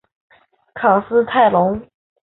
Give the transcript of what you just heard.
卡斯泰龙。